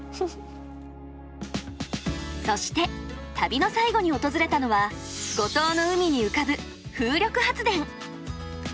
そして旅の最後に訪れたのは五島の海に浮かぶ風力発電。